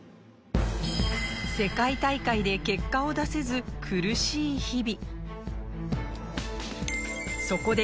世界大会で結果を出せず苦しい日々。